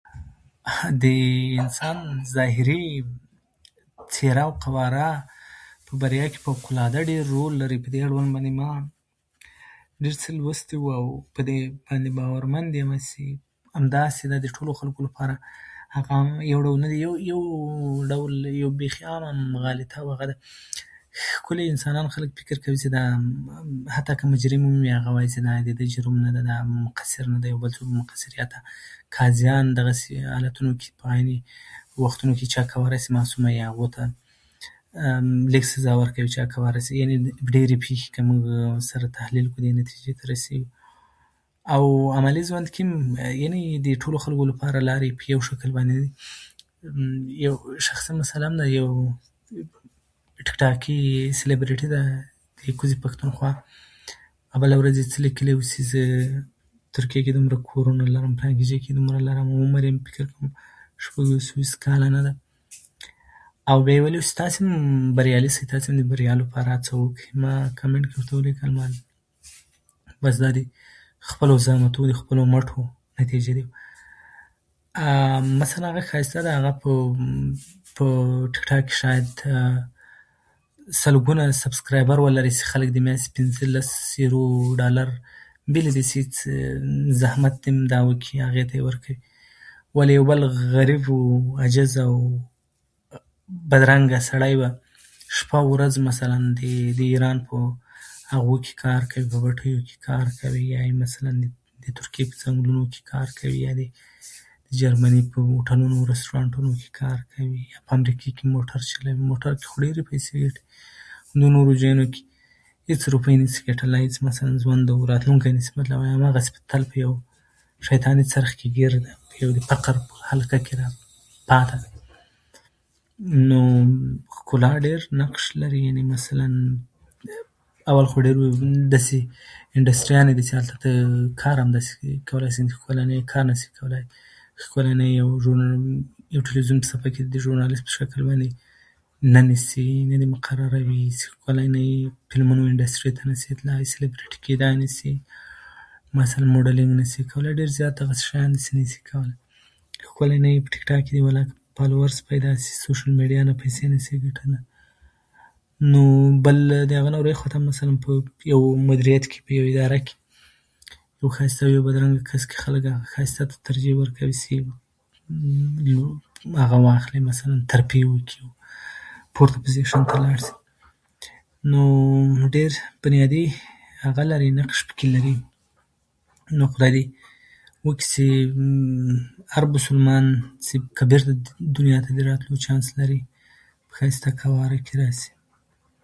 زه چې لاړ شم، نو ته راځې، او چې ته راشې، نو زه بيا نه يم، دا عجيبه تګ راتګ دی.